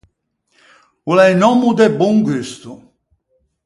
O l’é un òmmo de bon gusto.